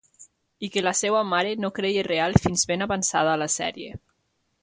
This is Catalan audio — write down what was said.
I que la seva mare no creia real fins ben avançada la sèrie.